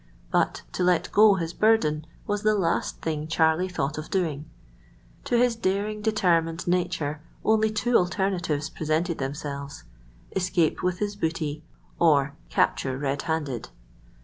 But to let go his burden was the last thing Charlie thought of doing. To his daring, determined nature only two alternatives presented themselves—escape with his booty or capture red handed.